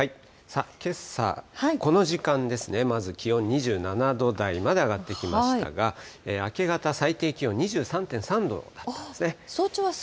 けさ、この時間ですね、まず気温２７度台まで上がってきましたが、明け方、最低気温２３．３度だったんですね。